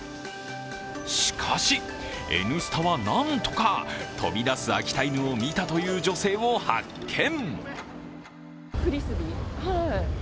しかし、「Ｎスタ」は何とか飛び出す秋田犬を見たという女性を発見！